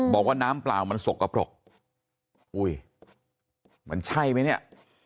บอกว่าน้ำเปล่ามันสกปรกมันใช่มั้ยเนี่ย